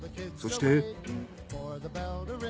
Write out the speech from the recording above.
そして。